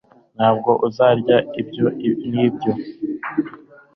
Ntabwo uzarya ibyo nibyo